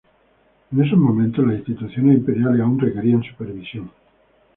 En esos momentos, las instituciones imperiales aún requerían supervisión.